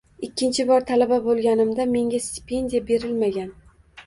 Ikkinchi bor talaba bo’lganimda, menga stipendiya berilmagan.